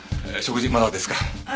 食事まだですか？